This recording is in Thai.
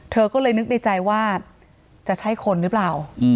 เธอก็เลยนึกในใจว่าจะใช่คนหรือเปล่า